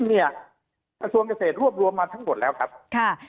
กระทรวงเกษตรรวบมาทั้งหมดแล้วครับ